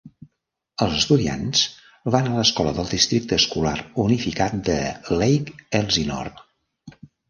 Els estudiants van a l'escola del districte escolar unificat de Lake Elsinore.